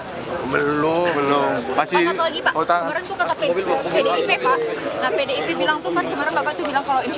nah pdip bilang tuh kan kemarin bapak tuh bilang kalau insya allah bakal tetap ambil lagi dari pdip